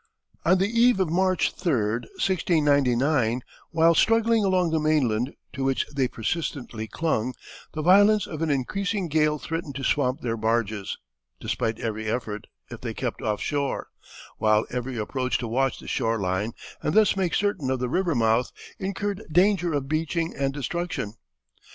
On the eve of March 3, 1699, while struggling along the mainland, to which they persistently clung, the violence of an increasing gale threatened to swamp their barges, despite every effort, if they kept off shore, while every approach to watch the shore line, and thus make certain of the river mouth, incurred danger of beaching and destruction.